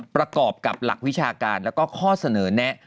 ประกอบกับหลักวิชาการแล้วก็ข้อเสนอแนะ